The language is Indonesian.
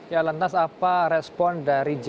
ya lantas apa respon dari j